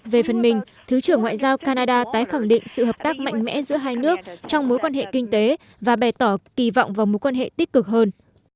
về phần mình thứ trưởng ngoại giao canada tái khẳng định sự hợp tác mạnh mẽ giữa hai nước trong mối quan hệ kinh tế và bày tỏ kỳ vọng vào mối quan hệ tích cực hơn